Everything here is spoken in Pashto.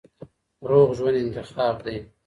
روغ ژوند انتخاب دی.